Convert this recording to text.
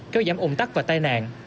kéo giảm ủng tắc và tai nạn